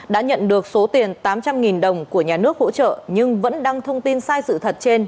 đã nhận được số tiền tám trăm linh đồng của nhà nước hỗ trợ nhưng vẫn đăng thông tin sai sự thật trên